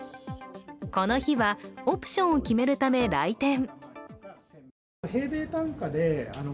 この日はオプションを決めるため来店。